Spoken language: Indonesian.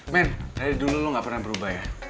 men dari dulu lo gak pernah berubah ya